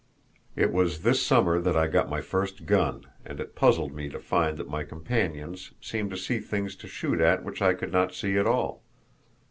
It was this summer that I got my first gun, and it puzzled me to find that my companions seemed to see things to shoot at which I could not see at all.